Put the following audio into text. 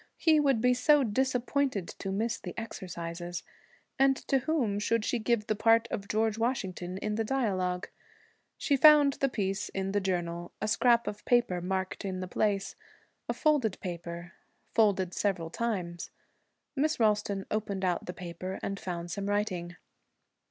He would be so disappointed to miss the exercises! And to whom should she give the part of George Washington in the dialogue? She found the piece in the journal. A scrap of paper marked the place. A folded paper. Folded several times. Miss Ralston opened out the paper and found some writing.